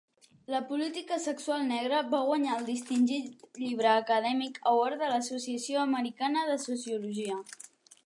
"La política sexual negra" va guanyar el distingit llibre acadèmic Award de l'Associació Americana de Sociologia.